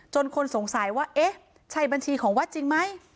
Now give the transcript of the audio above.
คนสงสัยว่าเอ๊ะใช่บัญชีของวัดจริงไหม